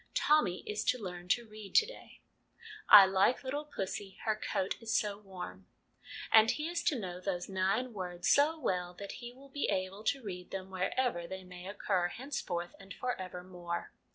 Tommy is to learn to read to day " I like little pussy, Her coat is so warm " and he is to know those nine words so well that he will be able to read them wherever they may occur henceforth and for evermore.